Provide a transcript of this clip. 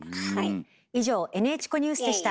以上「ＮＨコＮＥＷＳ」でした。